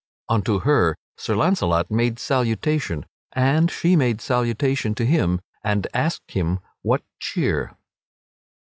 Unto her Sir Launcelot made salutation, and she made salutation to him and asked him what cheer.